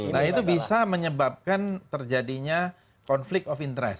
nah itu bisa menyebabkan terjadinya konflik of interest